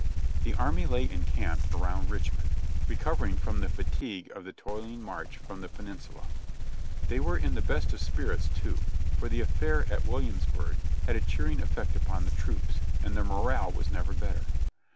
The army lay encamped around Richmond, recovering from the fatigue of the toiling march from the Peninsula. They were in the best of spirits, too, for the affair at Williamsburg had a cheering effect upon the troops, and their morale was never better.